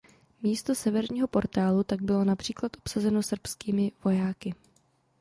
Místo severního portálu tak bylo například obsazeno srbskými vojáky.